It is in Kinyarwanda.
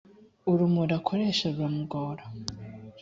urumuri akoresha ruramugora.